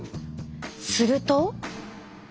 すると。